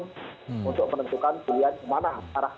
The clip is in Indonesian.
untuk menentukan ke mana arah